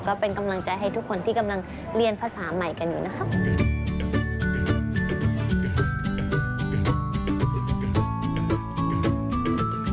ก็เป็นกำลังใจให้ทุกคนที่กำลังเรียนภาษาใหม่กันอยู่นะครับ